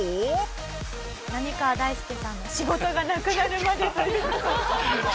「浪川大輔さんの仕事がなくなるまで」という。